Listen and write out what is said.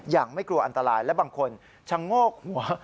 ไม่กลัวอันตรายและบางคนชะโงกหัว